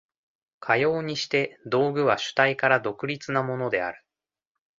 かようにして道具は主体から独立なものである。